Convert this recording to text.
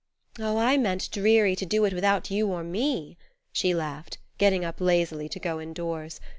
"Oh, I meant: dreary to do it without you or me," she laughed, getting up lazily to go indoors.